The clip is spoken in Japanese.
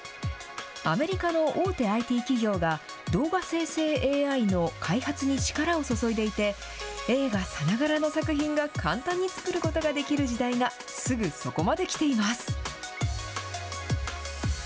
アメリカの大手ＩＴ企業が、動画生成ＡＩの開発に力を注いでいて、映画さながらの作品が簡単に作ることができる時代が、すぐそこまできています。